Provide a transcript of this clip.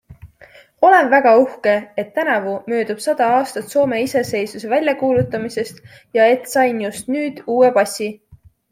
Olen väga uhke, et tänavu möödub sada aastat Soome iseseisvuse väljakuulutamisest ja et sain just nüüd uue passi.